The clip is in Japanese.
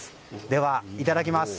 では、いただきます。